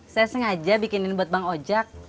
saya sengaja bikinin buat bang ojek